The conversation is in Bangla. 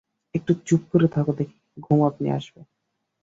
একটু চুপ করে থাকো দেখি, ঘুম আপনি আসবে।